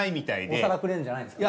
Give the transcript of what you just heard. お皿くれるんじゃないんですか？